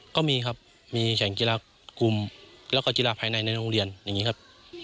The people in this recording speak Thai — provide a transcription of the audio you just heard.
ก็มีครับมีแข่งกีฬากลุ่มแล้วก็กีฬาภายในในโรงเรียนอย่างนี้ครับ